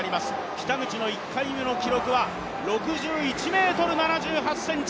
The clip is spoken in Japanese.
北口の１回目の記録は６１ｍ７８ｃｍ。